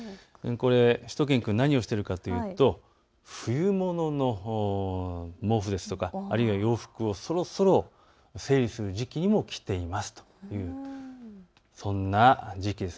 しゅと犬くん、何をしているかというと、冬物の毛布ですとか洋服をそろそろ整理する時期にも来ていますということです。